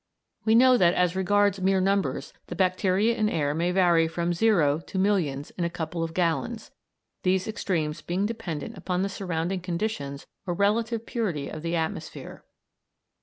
We know that as regards mere numbers the bacteria in air may vary from 0 to millions in a couple of gallons, these extremes being dependent upon the surrounding conditions or relative purity of the atmosphere.